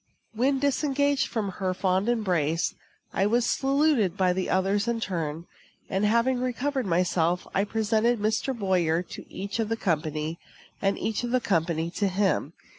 When disengaged from her fond embrace, I was saluted by the others in turn; and, having recovered myself, I presented Mr. Boyer to each of the company, and each of the company to him.